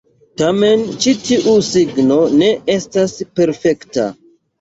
Tamen, ĉi tiu signo ne estas perfekta.